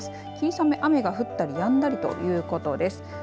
霧雨、雨が降ったりやんだりということです。